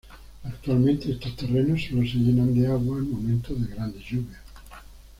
Actualmente estos terrenos solo se llenan de agua en momentos de grandes lluvias.